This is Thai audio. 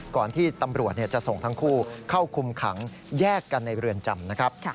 ก่อนที่ตำรวจจะส่งทั้งคู่เข้าคุมขังแยกกันในเรือนจำนะครับ